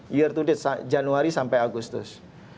year to date januari sampai agustus